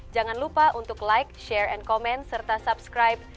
jangan lupa untuk like share dan subscribe